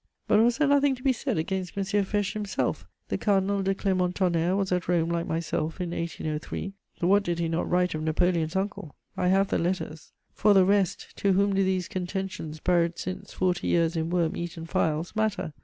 But was there nothing to be said against M. Fesch himself? The Cardinal de Clermont Tonnerre was at Rome like myself, in 1803: what did he not write of Napoleon's uncle! I have the letters. For the rest, to whom do these contentions, buried since forty years in worm eaten files, matter?